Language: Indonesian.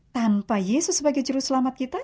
tanpa yesus sebagai juru selamat kita